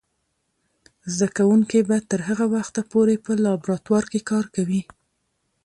زده کوونکې به تر هغه وخته پورې په لابراتوار کې کار کوي.